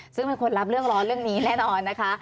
ซึ่งเป็นคนรับเรื่องร้อนเรื่องนี้แน่นอนนะคะ